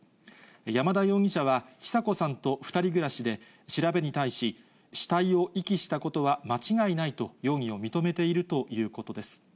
山田容疑者は、尚子さんと２人暮らしで、調べに対し、死体を遺棄したことは間違いないと容疑を認めているということです。